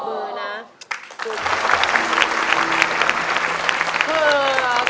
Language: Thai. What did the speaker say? เพราะไหน